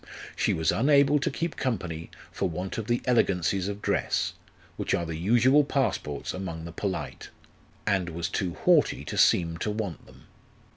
She was unable to keep company, for want of the elegancies of dress, which are the usual passports among the polite ; and was too haughty to seem to want them.